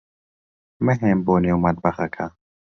مەھێن بۆ نێو مەتبەخەکە.